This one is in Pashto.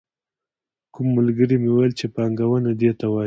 کوم ملګري مې ویل چې پانګونه دې ته وايي.